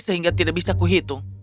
sehingga tidak bisa kuhitung